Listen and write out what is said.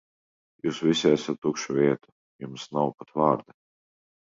Jūs visi esat tukša vieta, jums nav pat vārda.